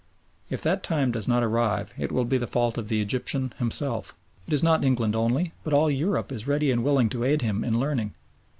If that time does not arrive it will be the fault of the Egyptian himself. It is not England only but all Europe is ready and willing to aid him in learning.